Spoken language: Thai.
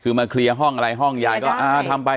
คือมาเคลียร์ห้องอะไรห้องยายก็อ่าทำไป